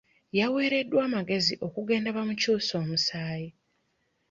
Yaweereddwa amagezi okugenda bamukyuse omusaayi.